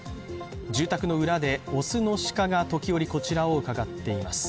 住宅の裏で雄の鹿が時折、こちらをうかがっています。